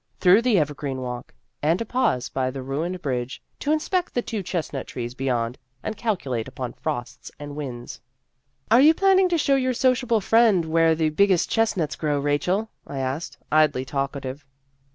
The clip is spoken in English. Through the evergreen walk, and a pause by the ruined bridge to inspect the two chestnut trees beyond, and calculate upon frosts and winds. " Are you planning to show your socia ble freshman where the biggest chestnuts grow, Rachel?" I asked, idly talka tive.